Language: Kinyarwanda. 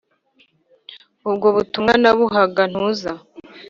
ubwo butumwa nabuhaga ntuza